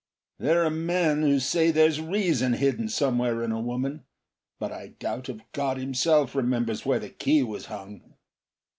"There are men who say there's reason hidden somewhere in a woman, But I doubt if God himself remembers where the key was hung."